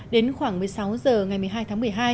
đến khoảng một mươi sáu h ngày một mươi hai tháng một mươi hai